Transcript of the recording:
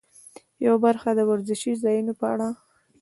یوه برخه د وزرشي ځایونو په اړه.